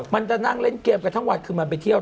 มันจะนั่งเล่นเกมกันทั้งวันคือมันไปเที่ยว